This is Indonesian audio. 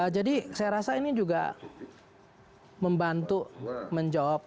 jadi saya rasa ini juga membantu menjawab